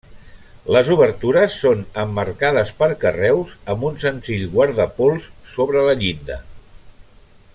Les obertures són emmarcades per carreus amb un senzill guardapols sobre la llinda.